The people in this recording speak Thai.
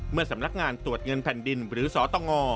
เมื่อสำนักงานตรวจเงินแผ่นดินหรือสตง